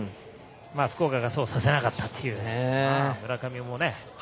福岡がそうさせなかったという。